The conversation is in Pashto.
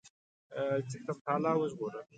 چښتن تعالی وژغورل.